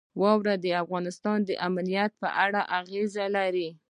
واوره د افغانستان د امنیت په اړه هم اغېز لري.